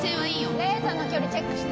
レーザーの距離チェックして。